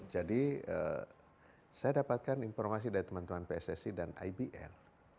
jadi saya dapatkan informasi dari teman teman pssc dan ibl